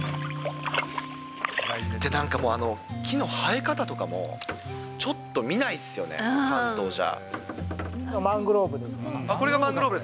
なんかもう、木の生え方とかもちょっと見ないですよね、関東じゃ。